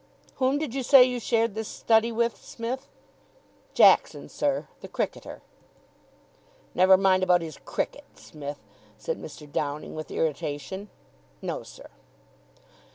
"Whom did you say you shared this study with, Smith?" "Jackson, sir. The cricketer." "Never mind about his cricket, Smith," said Mr. Downing with irritation. "No, sir."